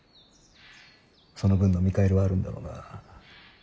その分の見返りはあるんだろうな。